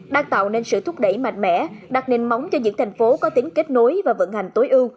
đang tạo nên sự thúc đẩy mạnh mẽ đặt nền móng cho những thành phố có tính kết nối và vận hành tối ưu